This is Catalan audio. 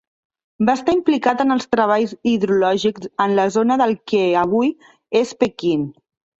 Va estar implicat en els treballs hidrològics en la zona del que avui és Pequín.